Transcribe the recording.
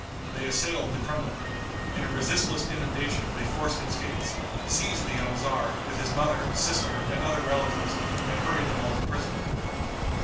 They assailed the Kremlin. In a resistless inundation they forced its gates, seized the young tzar, with his mother, sister and other relatives, and hurried them all to prison.